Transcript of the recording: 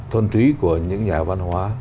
thuần túy của những nhà văn hóa